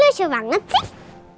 kamu lesu banget sih